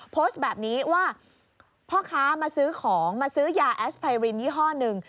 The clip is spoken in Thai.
โพสต์แบบนี้ว่าพ่อค้ามาซื้อของมาซื้อยาแอสไพรินยี่ห้อหนึ่ง